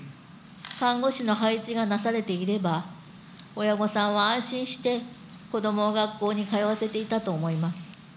看護師の配置がなされていれば、親御さんは安心して子どもを学校に通わせていたと思います。